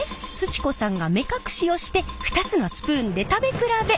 ち子さんが目隠しをして２つのスプーンで食べ比べ。